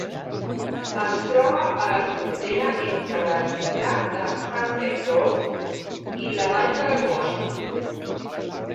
Es troba a la frontera entre l'altiplà d'Haspengouw i la vall del Mosa.